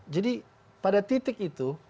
jadi pada titik itu